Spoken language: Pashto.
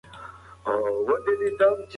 ایمي د رواني روغتیا لپاره مرستې ته اړتیا لري.